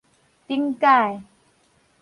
頂改